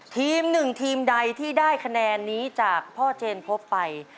ทีมหนึ่งทีมใดที่ได้คะแนนนี้จากพ่อเจนพบไป